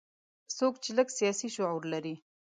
څوک چې لږ سیاسي شعور لري.